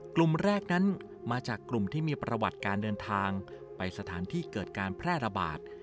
กลุ่มแรกนั้นมาจากกลุ่มที่มีประวัติการเดินทางไปสถานที่เกิดการแพร่ระบาด